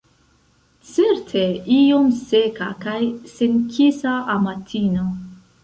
Certe iom seka kaj senkisa amatino.